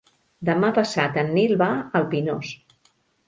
Demà passat en Nil va al Pinós.